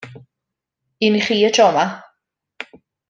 Un i chi y tro yma.